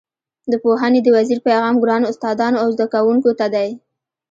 د پوهنې د وزیر پیغام ګرانو استادانو او زده کوونکو ته دی.